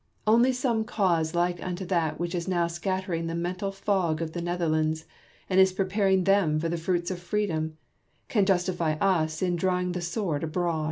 Only some cause like unto that which is now scattering the mental fog of the SOUTHEY AND PORSON. i6i Netherlands, and is preparing tliem for the fruits of freedom, can justify us in drawing the sword abroad.